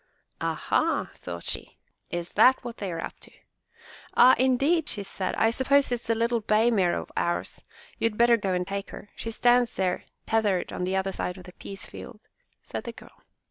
''Ah, ha!" thought she. "Is that what they are up to?" "Ah, indeed," she said, "I suppose it's that little bay mare of ours. You had better go and take her. She stands there tethered on the other side of the peas field," said the girl.